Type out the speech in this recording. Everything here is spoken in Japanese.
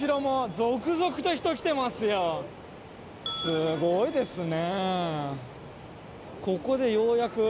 すごいですね！